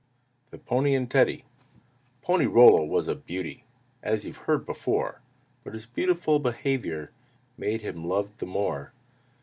V. THE PONY AND TEDDY Pony Rollo was a beauty, As you've heard before, But his beautiful behavior Made him loved the more.